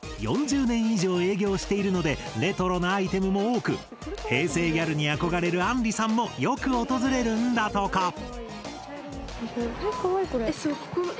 ４０年以上営業しているのでレトロなアイテムも多く平成ギャルに憧れるあんりさんもよく訪れるんだとか。